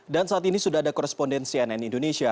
dan saat ini sudah ada koresponden cnn indonesia